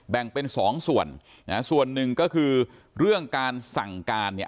แบ่งเป็นสองส่วนนะฮะส่วนหนึ่งก็คือเรื่องการสั่งการเนี่ย